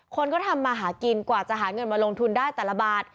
คนก็ทำมาหากินกว่าจะหาเงินมาลงทุนได้แต่ละบาท